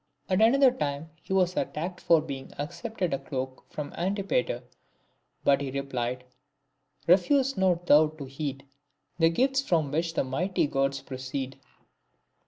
At another time, he was attacked for having accepted a cloak from Antipater, but he replied: —" Eefuse not thou to heed The gifts which from the mighty Gods proceed."